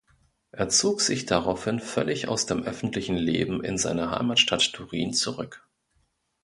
Er zog sich daraufhin völlig aus dem öffentlichen Leben in seine Heimatstadt Turin zurück.